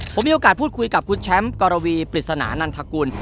ผมมีโอกาสพูดคุยกับคุณแชมป์กรวีปริศนานันทกุล